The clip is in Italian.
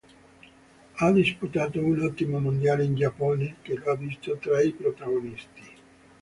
Ha disputato un ottimo mondiale in Giappone che lo ha visto tra i protagonisti.